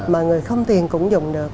mà người không tiền cũng dùng được